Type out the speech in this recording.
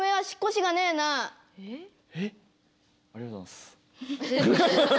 ありがとうございます。